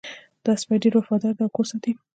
دا سپی ډېر وفادار ده او کور ساتي